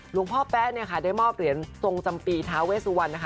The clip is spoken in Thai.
หลวงพ่อแป๊ะได้มอบเหรียญทรงจำปีท้าเวสสุวรรณ